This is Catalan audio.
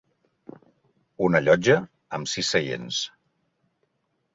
Una llotja amb sis seients.